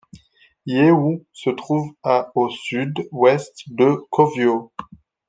Yéhoun se trouve à au sud-ouest de Kovio.